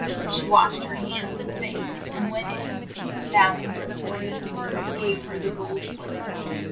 She washed her hands and face, and went in, bow ing to the prince, who gave her the gold slip per.